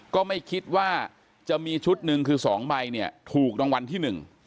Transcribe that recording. ก็ไม่คิดว่าจะมีชุด๑คือ๒ใบเนี่ยถูกรางวัลที่๑